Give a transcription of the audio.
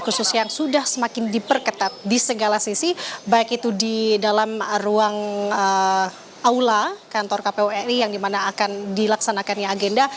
khusus yang sudah semakin diperketat di segala sisi baik itu di dalam ruang aula kantor kpu ri yang dimana akan dilaksanakannya agenda